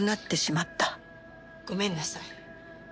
ごめんなさい。